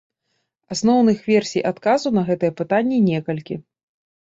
Асноўных версій адказу на гэта пытанне некалькі.